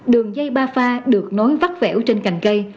đường dây ba pha được nối vắt vẻo trên cành cây